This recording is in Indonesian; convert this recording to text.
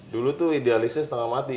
dulu tuh idealisnya setengah mati